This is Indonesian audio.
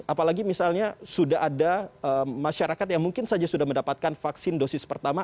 apalagi misalnya sudah ada masyarakat yang mungkin saja sudah mendapatkan vaksin dosis pertama